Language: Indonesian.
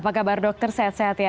apa kabar dokter sehat sehat ya